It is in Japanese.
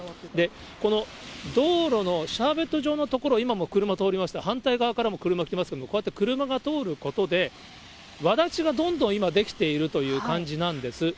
この道路のシャーベット状の所、今も車通りましたけれども、反対側からも車来てますけれども、こうやって車が通ることで、わだちがどんどん今、出来ているという感じなんです。